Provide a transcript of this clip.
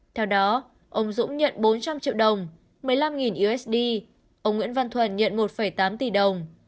theo đó ông dũng nhận bốn trăm linh triệu đồng một mươi năm usd ông nguyễn văn thuần nhận một tám tỷ đồng